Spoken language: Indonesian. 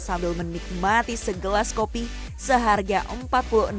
sambil menikmati segelas kopi seharga empat puluh enam rupiah